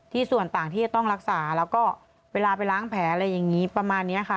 ส่วนต่างที่จะต้องรักษาแล้วก็เวลาไปล้างแผลอะไรอย่างนี้ประมาณนี้ค่ะ